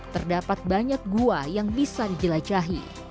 terdapat banyak gua yang bisa dijelajahi